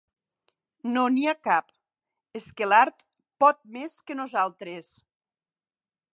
No n'hi ha cap. És que l'Art pot més que nosaltres.